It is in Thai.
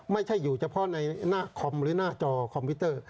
ไม่ใช่อยู่เฉพาะในหน้าคอมหรือหน้าจอคอมพิวเตอร์